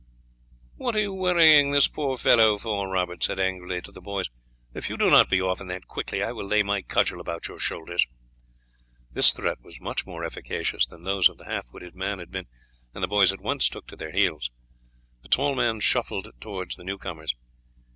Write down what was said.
"What are you worrying this poor fellow for?" Robert said angrily to the boys. "If you do not be off, and that quickly, I will lay my cudgel about your shoulders." This threat was much more efficacious than those of the half witted man had been, and the boys at once took to their heels. The tall man shuffled towards the new comers.